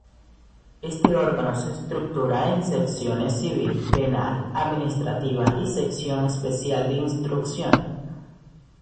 Este órgano se estructura en secciones civil, penal, administrativa y sección especial de instrucción.